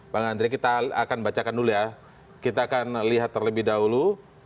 bang andre kita akan bacakan dulu ya kita akan lihat terlebih dahulu